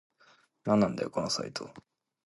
なんなんだよこのサイト